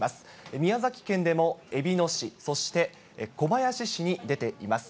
宮崎県でも、えびの市、そして小林市に出ています。